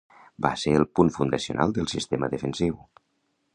Va ser el punt fundacional del sistema defensiu.